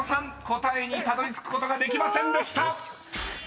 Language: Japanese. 答えにたどりつくことができませんでした］